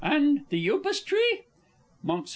and the Upas tree? _Monks.